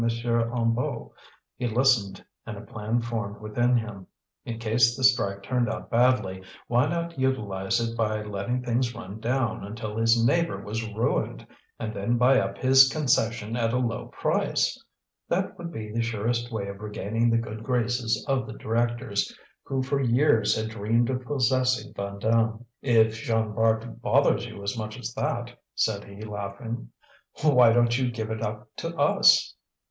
Hennebeau. He listened and a plan formed within him: in case the strike turned out badly, why not utilize it by letting things run down until his neighbour was ruined, and then buy up his concession at a low price? That would be the surest way of regaining the good graces of the directors, who for years had dreamed of possessing Vandame. "If Jean Bart bothers you as much as that," said he, laughing, "why don't you give it up to us?"